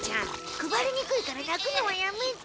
配りにくいからなくのはやめて。